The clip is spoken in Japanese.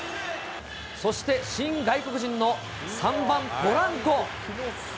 そして新外国人の３番ポランコ。